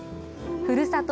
ふるさと